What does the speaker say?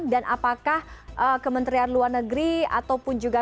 dan apakah kementerian luar negeri ataupun juga